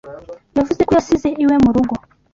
Yavuze ko yasize iwe mu rugo.